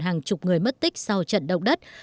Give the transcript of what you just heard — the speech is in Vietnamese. hàng chục người mất tích sau trận động đất